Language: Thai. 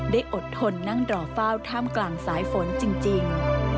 อดทนนั่งรอเฝ้าท่ามกลางสายฝนจริง